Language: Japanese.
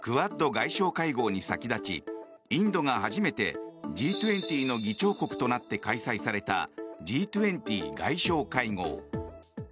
外相会合に先立ちインドが初めてＧ２０の議長国となって開催されたＧ２０外相会合。